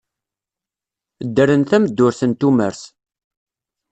Dderen tameddurt n tumert.